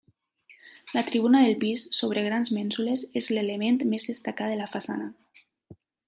La tribuna del pis, sobre grans mènsules, és l'element més destacat de la façana.